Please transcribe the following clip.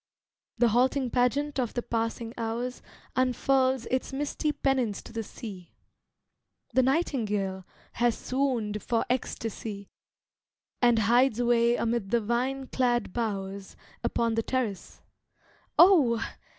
The halting pageant of the passing hours Unfurls its misty pennants to the sea. The Nightingale has swooned for ecstasy, And hides away amid the vine clad bowers Upon the terrace; Oh!